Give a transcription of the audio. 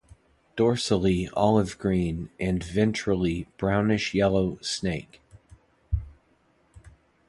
Dorsally olive green and ventrally brownish yellow snake.